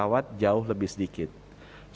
kita harus mencari yang lebih tinggi dari delta